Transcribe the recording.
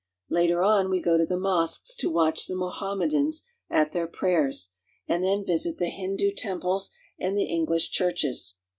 Later on, we go to the mosques to watch the Moham medans at their prayers and then visit the Hindoo temples and the English churches.